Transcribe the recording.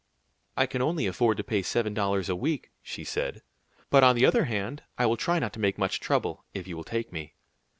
"I can only afford to pay seven dollars a week," she said; "but, on the other hand, I will try not to make much trouble, if you will take me."